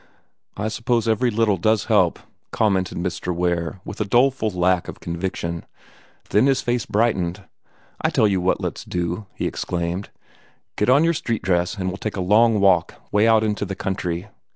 "I suppose every little does help," commented Mr. Ware, with a doleful lack of conviction. Then his face brightened. "I tell you what let's do!" he exclaimed. "Get on your street dress, and we'll take a long walk, way out into the country.